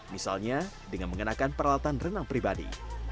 misalnya dengan mengenakan peralatan renang pribadi